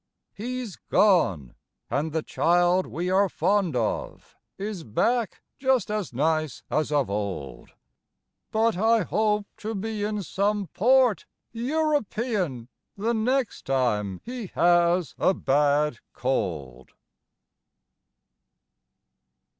He's gone, and the child we are fond of Is back, just as nice as of old. But I hope to be in some port European The next time he has a bad cold.